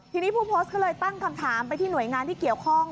ทีนี้ผู้โพสต์ก็เลยตั้งคำถามไปที่หน่วยงานที่เกี่ยวข้อง